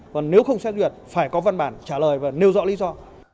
còn nếu không xét duyệt phải có văn bản trả lời và nêu rõ lý do